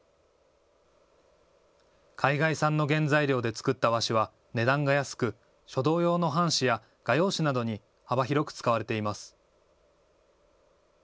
海外産の原材料で作った和紙は値段が安く書道用の半紙や画用紙などに幅広く使われています。